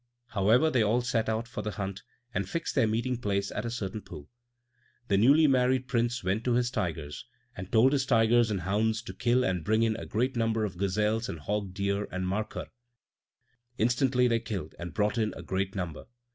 However, they all set out for the hunt, and fixed their meeting place at a certain pool. The newly married Prince went to his tigers, and told his tigers and hounds to kill and bring in a great number of gazelles and hog deer and markhor. Instantly they killed and brought in a great number.